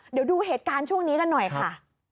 เดี๋ยวดูเหตุการณ์ช่วงนี้กันหน่อยค่ะ